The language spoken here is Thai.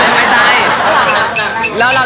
พี่ล้างเลย